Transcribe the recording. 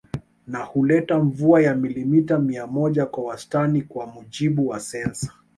Na huleta mvua ya milimita mia moja kwa wastani kwa mujibu wa sensa